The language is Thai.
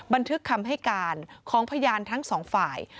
บันทึกคำให้การของพยานทั้งสองฝ่าย